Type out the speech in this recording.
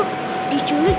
kamu sama si milka